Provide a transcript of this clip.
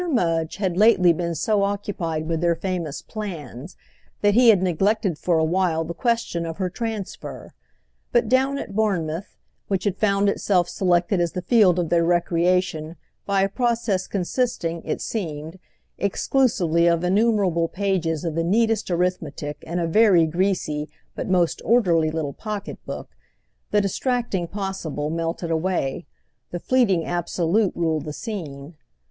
Mudge had lately been so occupied with their famous "plans" that he had neglected for a while the question of her transfer; but down at Bournemouth, which had found itself selected as the field of their recreation by a process consisting, it seemed, exclusively of innumerable pages of the neatest arithmetic in a very greasy but most orderly little pocket book, the distracting possible melted away—the fleeting absolute ruled the scene.